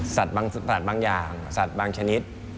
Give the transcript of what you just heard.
บางสัตว์บางอย่างสัตว์บางชนิด